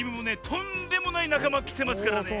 とんでもないなかまきてますからね。